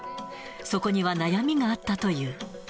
そこには悩みがあったという。